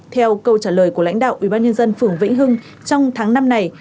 theo câu trả lời của lãnh đạo ủy ban nhân dân phường vĩnh hưng trong tháng năm này